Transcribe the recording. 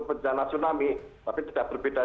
bencana tsunami tapi tidak berbeda